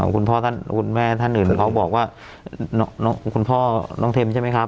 คุณพ่อคุณแม่ท่านอื่นเขาบอกว่าคุณพ่อน้องเทมใช่ไหมครับ